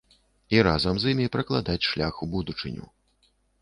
І разам з імі пракладаць шлях у будучыню.